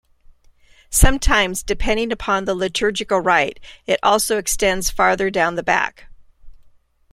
Sometimes, depending upon the liturgical Rite, it also extends farther down the back.